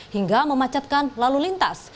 hingga memacatkan lalu lintas